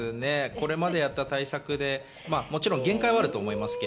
これまでやった対策でもちろん限界はあると思います。